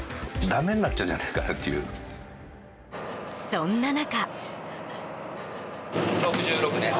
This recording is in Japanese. そんな中。